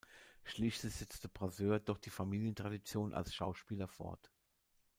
Schließlich setzte Brasseur doch die Familientradition als Schauspieler fort.